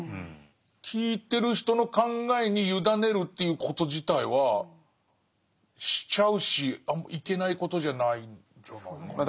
聴いてる人の考えに委ねるということ自体はしちゃうしあんまいけないことじゃないんじゃないかな。